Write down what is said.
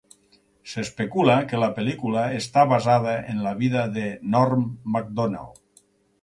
S'especula que la pel·lícula està basada en la vida de Norm Macdonald.